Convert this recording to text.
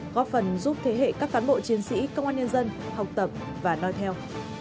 góp phần giúp thế hệ các cán bộ chiến sĩ công an nhân dân học tập và nói theo